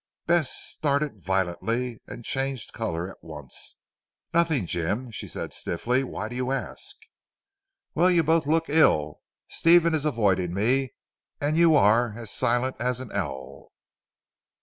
Bess started violently and changed colour at once. "Nothing Jim," she said stiffly, "why do you ask?" "Well, you both look ill. Stephen is avoiding me, and you are as silent as an owl."